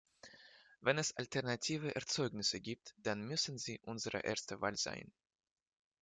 Wenn es alternative Erzeugnisse gibt, dann müssen sie unsere erste Wahl sein.